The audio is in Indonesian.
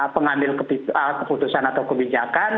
pengambil keputusan atau kebijakan